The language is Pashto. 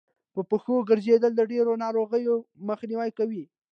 په پښو ګرځېدل د ډېرو ناروغيو مخنیوی کوي